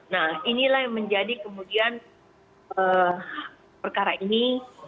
nah inilah yang menjadi kemudian perkara ini